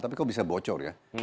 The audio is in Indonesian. tapi kok bisa bocor ya